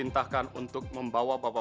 mas kita masalah apa